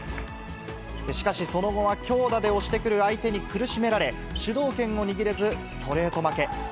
しかしその後は強打で押してくる相手に苦しめられ、主導権を握れず、ストレート負け。